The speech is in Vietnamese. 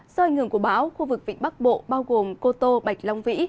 do ảnh hưởng của bão khu vực vịnh bắc bộ bao gồm cô tô bạch long vĩ